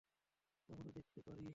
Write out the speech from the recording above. আমরা দেখতে পারি?